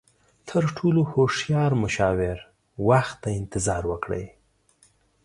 تر ټولو هوښیار مشاور، وخت ته انتظار وکړئ.